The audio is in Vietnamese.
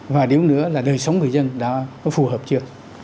và điều nữa là đời sống người dân nó phù hợp chưa